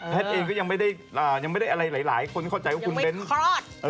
แพทน์เองก็ยังไม่ได้อะไรหลายคนเข้าใจว่าคุณเบ้นท์ยังไม่คลอด